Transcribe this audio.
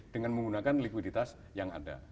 dengan menggunakan likuiditas yang ada